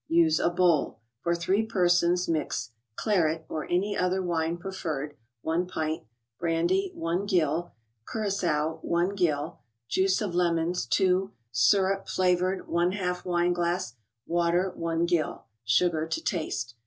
Use a bowl ; for three persons mix Claret (or any other wine preferred), 1 pint; Brandy, 1 gill; Curagoa, 1 gill; Juice of lemons, 2 ; Syrup (flavored), x /z wineglass ; Water, 1 gill; Sugar to taste.